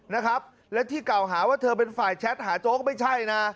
นะครับและที่เก่าหาว่าเธอเป็นฝ่ายแชทหาโจ๊กไม่ใช่นะ